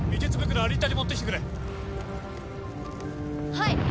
はい！